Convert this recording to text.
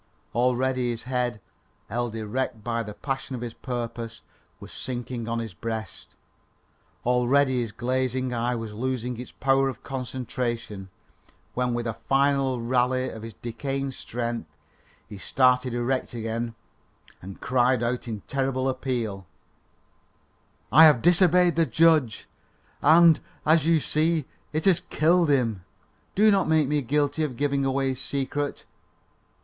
Already his head, held erect by the passion of his purpose, was sinking on his breast; already his glazing eye was losing its power of concentration, when with a final rally of his decaying strength, he started erect again and cried out in terrible appeal: "I have disobeyed the judge, and, as you see, it has killed him. Do not make me guilty of giving away his secret.